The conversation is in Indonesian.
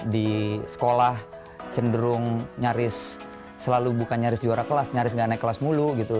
di sekolah cenderung nyaris selalu bukan nyaris juara kelas nyaris nggak naik kelas mulu gitu